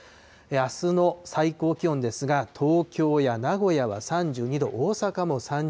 あすの最高気温ですが、東京や名古屋は３２度、大阪も３０度。